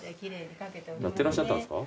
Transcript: やってらっしゃったんですか？